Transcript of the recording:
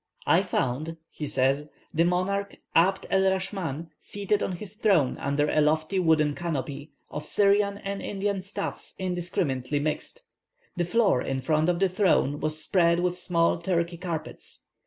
"I found," he says, "the monarch Abd el Raschman seated on his throne under a lofty wooden canopy, of Syrian and Indian stuffs indiscriminately mixed. The floor in front of the throne was spread with small Turkey carpets.